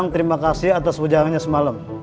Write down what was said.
terima kasih atas ujangan nya semalam